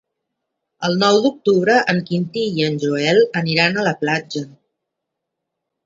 El nou d'octubre en Quintí i en Joel aniran a la platja.